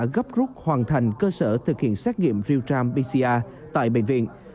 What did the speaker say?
gấp rút hoàn thành cơ sở thực hiện xét nghiệm real time pcr tại bệnh viện